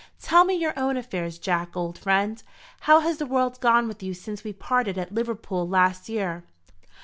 Tell me your own affairs, Jack, old friend. How has the world gone with you since we parted at Liverpool last year?"